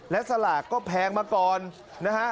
และสลากก็แพงมาก่อนนะฮะ